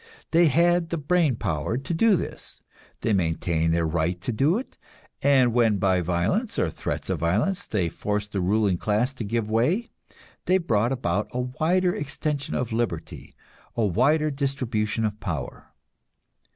They had the brain power to do this; they maintained their right to do it, and when by violence or threats of violence they forced the ruling class to give way, they brought about a wider extension of liberty, a wider distribution of power.